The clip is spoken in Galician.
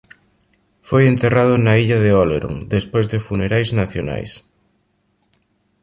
Foi enterrado na illa de Oléron despois de funerais nacionais.